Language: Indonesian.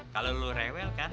kalo lu rewel kan lu jadi manja